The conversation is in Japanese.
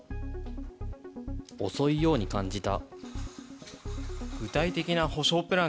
遅いように感じた。